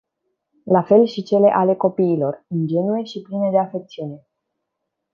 La fel și cele ale copiilor, ingenue și pline de afecțiune.